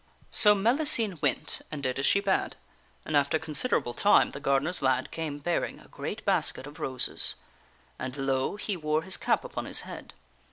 So Mellicene went and did as she bade, and after considerable time the gardener's lad came bearing a great basket of roses. And, lo ! he wore his cap upon his head.